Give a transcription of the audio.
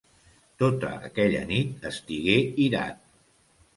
Tota aquella nit estigué irat.